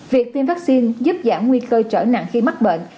việc tiêm vaccine giúp giảm nguy cơ trở nặng khi mắc bệnh